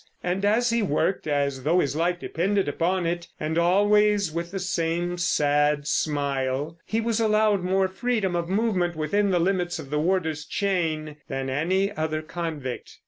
And as he worked as though his life depended upon it, and always with the same sad smile, he was allowed more freedom of movement within the limits of the warder's chain than any other convict.